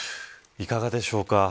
いかがでしょうか。